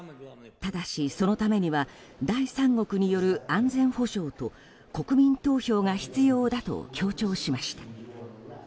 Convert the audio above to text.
ただし、そのためには第三国による安全保障と国民投票が必要だと強調しました。